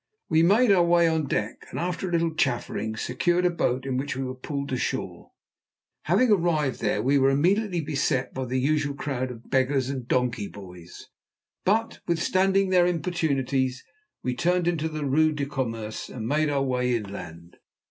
We made our way on deck, and, after a little chaffering, secured a boat, in which we were pulled ashore. Having arrived there, we were immediately beset by the usual crowd of beggars and donkey boys, but, withstanding their importunities, we turned into the Rue de Commerce and made our way inland.